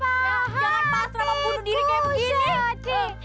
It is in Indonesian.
jangan pas sama bunuh diri kayak begini